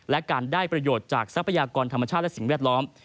และการได้ประโยชน์จากทรัพยากรธรรมชาติและสิ่งแวดล้อม